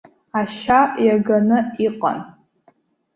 Ашьа иаганы иҟан.